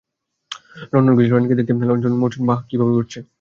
London গেছিলা রানী কে দেখতে, লরছুইন তো মরছুইন, বাহ, কিভাবে উড়ছে।